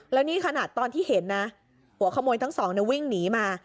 แล้วนี่ขนาดตอนที่เห็นนะหัวขโมยทั้งสองวิ่งหนีมา